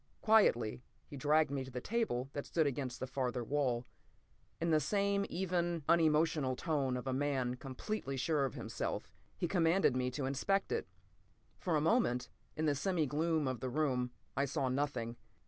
Quietly he dragged me to the table that stood against the farther wall. In the same even, unemotional tone of a man completely sure of himself, he commanded me to inspect it. For a moment, in the semi gloom of the room, I saw nothing.